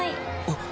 あっ。